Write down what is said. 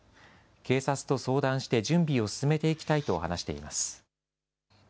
警察と相談して準備を進めていきたいと話しています。